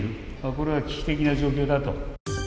これは危機的な状況だと。